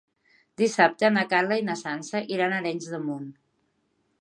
Dissabte na Carla i na Sança iran a Arenys de Munt.